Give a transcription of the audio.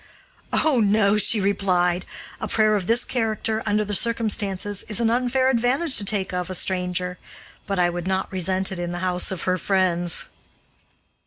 "Oh, no!" she replied, "a prayer of this character, under the circumstances, is an unfair advantage to take of a stranger, but I would not resent it in the house of her friends."